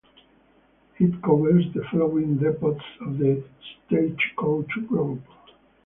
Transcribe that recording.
It covers the following depots of the Stagecoach Group.